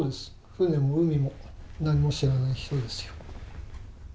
船も海も、何も知らない人ですよ。